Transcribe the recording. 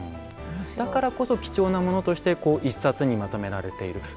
だからこそ貴重なものとして１冊にまとめられている。